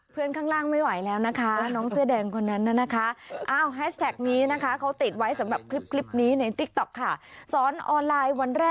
ข้างล่างไม่ไหวแล้วนะคะน้องเสื้อแดงคนนั้นน่ะนะคะ